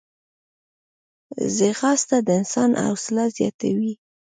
ځغاسته د انسان حوصله زیاتوي